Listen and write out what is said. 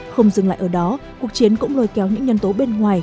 không dừng lại ở đó cuộc chiến cũng lôi kéo những nhân tố bên ngoài